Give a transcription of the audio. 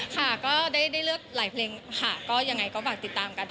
ค่ะก็ได้เลือกหลายเพลงค่ะก็ยังไงก็ฝากติดตามกัน